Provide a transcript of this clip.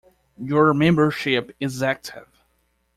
Your membership is active.